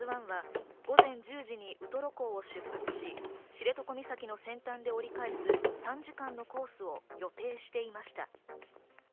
「ＫＡＺＵ１」は午前１０時に、ウトロ港を出発し、知床岬の先端で折り返す、３時間のコースを予定していました。